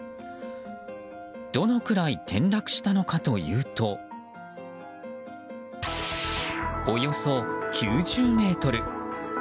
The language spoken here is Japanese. どのくらい転落したのかというとおよそ９０ｍ。